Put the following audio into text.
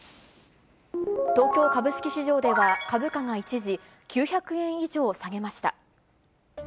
東京株式市場では、株価が一時、９００円以上下げました。